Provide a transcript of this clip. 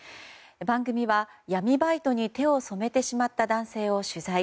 番組は、闇バイトに手を染めてしまった男性を取材。